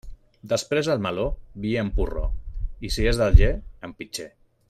Després del meló, vi en porró, i si és d'Alger, en pitxer.